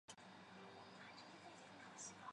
福建乡试第四十八名。